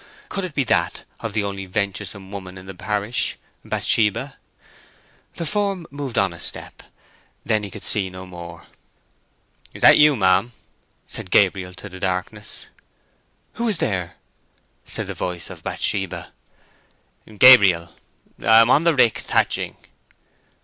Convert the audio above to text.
Could it be that of the only venturesome woman in the parish—Bathsheba? The form moved on a step: then he could see no more. "Is that you, ma'am?" said Gabriel to the darkness. "Who is there?" said the voice of Bathsheba. "Gabriel. I am on the rick, thatching."